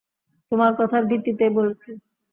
তোমার কথার ভিত্তিতেই বলেছি।